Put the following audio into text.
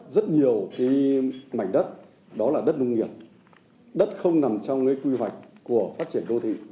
rất nhiều cái mảnh đất đó là đất nông nghiệp đất không nằm trong cái quy hoạch của phát triển đô thị